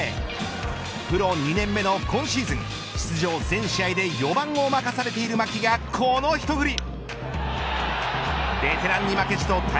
プロ２年目の今シーズン出場全試合で４番を任されている牧がこのひと振り。